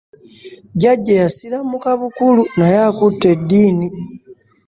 Jalia yasiramuka bukulu naye akutte eddiini.